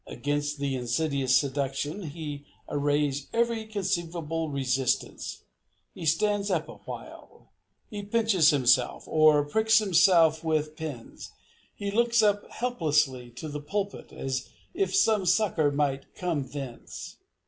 Against the insidious seduction he arrays every conceivable resistance. He stands up awhile; he pinches himself, or pricks himself with pins. He looks up helplessly to the pulpit as if some succor might come thence.